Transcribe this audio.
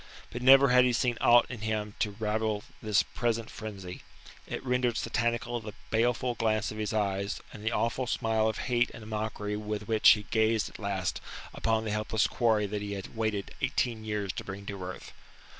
But never had he seen aught in him to rival this present frenzy; it rendered satanical the baleful glance of his eyes and the awful smile of hate and mockery with which he gazed at last upon the helpless quarry that he had waited eighteen years to bring to earth.